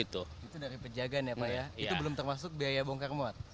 itu belum termasuk biaya bongkar muat